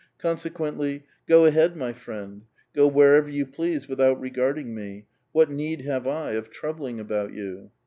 Consequently, " Go ahead, my friend! go wherever you please without regarding me. What need have I of troubling about you?"